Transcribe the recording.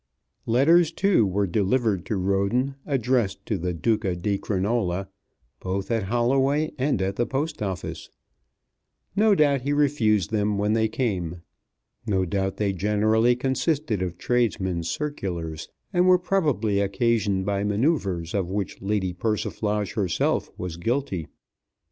Letters, too, were delivered to Roden, addressed to the Duca di Crinola, both at Holloway and at the Post Office. No doubt he refused them when they came. No doubt they generally consisted of tradesmen's circulars, and were probably occasioned by manoeuvres of which Lady Persiflage herself was guilty.